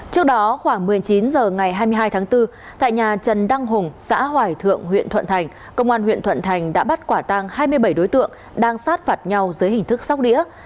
trước đó khoảng một mươi chín h ngày hai mươi hai tháng bốn tại nhà trần đăng hùng xã hoài thượng huyện thuận thành công an huyện thuận thành đã bắt quả tăng hai mươi bảy đối tượng đang sát phạt nhau dưới hình thức sóc đĩa